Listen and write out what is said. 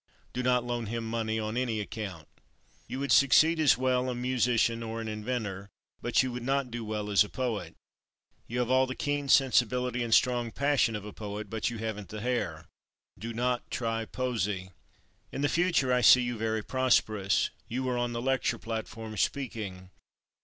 Do not loan him money on any account. "You would succeed as well a musician or an inventor, but you would not do well as a poet. You have all the keen sensibility and strong passion of a poet, but you haven't the hair. Do not try poesy. "In the future I see you very prosperous. You are on the lecture platform speaking.